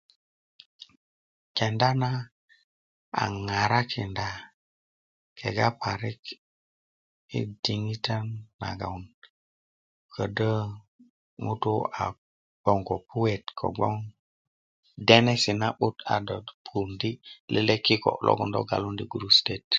kenda na a ŋarakinda kega parik i diŋitan nagon ködö ŋutu' a gboŋ ko puwet kogboŋ denesi' na'but a do topundi' lele' kiko logon do galundi gurusutöt